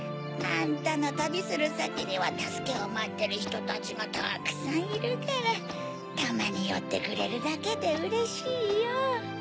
あんたのたびするさきにはたすけをまってるひとたちがたくさんいるからたまによってくれるだけでうれしいよ。